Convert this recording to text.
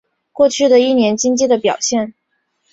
过去一年经济的表现